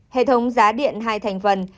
hệ thống giá điện hai thành phần